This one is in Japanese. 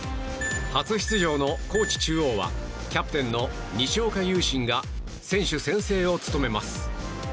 初出場の高知中央はキャプテンの西岡悠慎が選手宣誓を務めます。